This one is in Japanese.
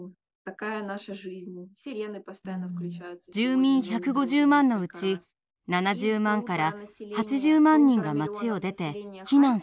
住民１５０万のうち７０万８０万人が町を出て避難しました。